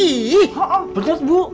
iya bener bu